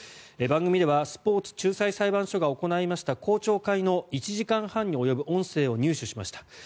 番組ではスポーツ仲裁裁判所が行いました公聴会の１時間半に及ぶ音声を入手しました。